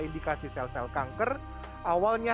indikasi sel sel kanker awalnya